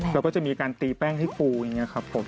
แล้วก็จะมีการตีแป้งให้ฟูอย่างนี้ครับผม